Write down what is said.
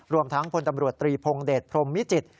รวมทั้งพนธบรวจตรีพงศ์เดชพรมมิจิต